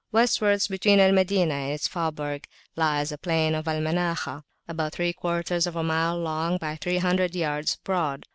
Westwards, between Al Madinah and its faubourg, lies the plain of Al Manakhah, about three quarters of a mile long, by three hundred yards broad.